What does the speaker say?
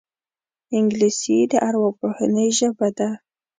انګلیسي د ارواپوهنې ژبه ده